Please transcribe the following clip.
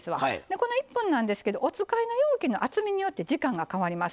この１分お使いの容器の厚みによって時間が変わります